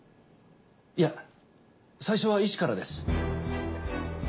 いや最初は医師からです。